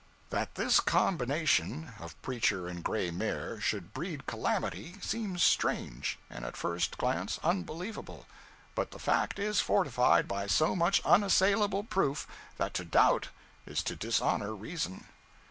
That this combination of preacher and gray mare should breed calamity, seems strange, and at first glance unbelievable; but the fact is fortified by so much unassailable proof that to doubt is to dishonor reason.